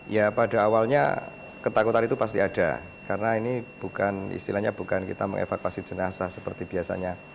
ya pada awalnya ketakutan itu pasti ada karena ini bukan istilahnya bukan kita mengevakuasi jenazah seperti biasanya